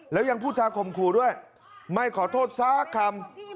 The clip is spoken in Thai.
แล้วยังพูดจากข่มขู่ด้วยไม่ขอโทษสักคำ